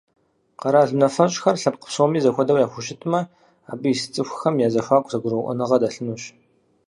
Къэрал унафэщӏхэр лъэпкъ псоми зэхуэдэу яхущытмэ, абы ис цӏыхухэм я зэхуаку зэгурыӀуэныгъэ дэлъынущ.